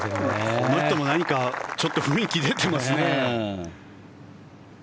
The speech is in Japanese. この人も、何かちょっと雰囲気出てますね。